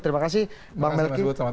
terima kasih bang melki